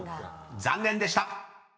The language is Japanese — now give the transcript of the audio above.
［残念でした］